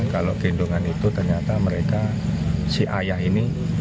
kalau gendongan itu ternyata mereka si ayah ini